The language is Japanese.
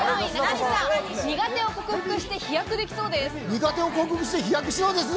苦手を克服して飛躍しそうです。